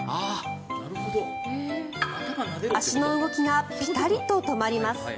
足の動きがピタリと止まります。